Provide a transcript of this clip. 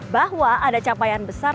bahwa ada capaian besar